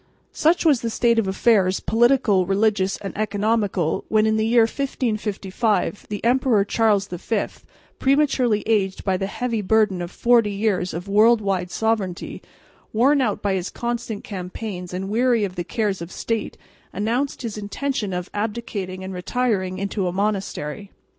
Such was the state of affairs political, religious and economical when in the year 1555 the Emperor Charles V, prematurely aged by the heavy burden of forty years of world wide sovereignty, worn out by constant campaigns and weary of the cares of state, announced his intention of abdicating and retiring into a monastery.